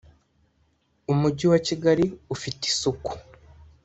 uMujyi wa Kigali ufite isuku